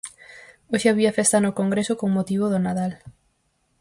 Hoxe había festa no Congreso con motivo do Nadal.